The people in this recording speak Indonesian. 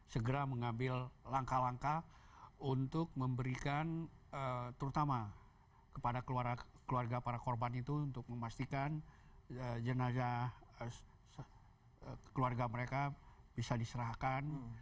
segera mengambil langkah langkah untuk memberikan terutama kepada keluarga para korban itu untuk memastikan jenazah keluarga mereka bisa diserahkan